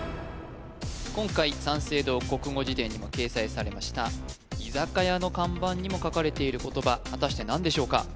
今回三省堂国語辞典にも掲載されました居酒屋の看板にも書かれている言葉果たして何でしょうか？